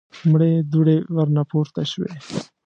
مړې دوړې ورنه پورته شوې.